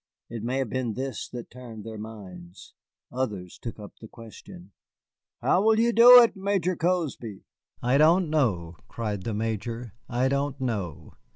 It may have been this that turned their minds. Others took up the question, "How will ye do it, Major Cozby?" "I don't know," cried the Major, "I don't know.